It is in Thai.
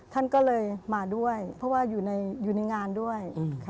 ท่านก็เลยมาด้วยเพราะว่าอยู่ในงานด้วย